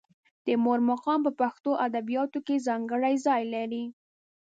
د مور مقام په پښتو ادبیاتو کې ځانګړی ځای لري.